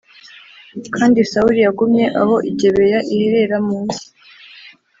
Kandi sawuli yagumye aho i gibeya iherera munsi